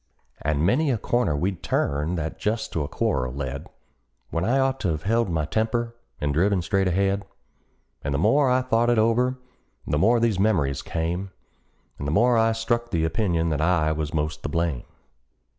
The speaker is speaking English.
And many a corner we'd turned that just to a quarrel led, When I ought to 've held my temper, and driven straight ahead; And the more I thought it over the more these memories came, And the more I struck the opinion that I was the most to blame.